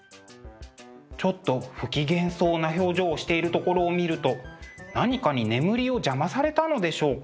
ちょっと不機嫌そうな表情をしているところを見ると何かに眠りを邪魔されたのでしょうか？